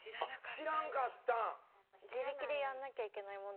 知らなかったんだ。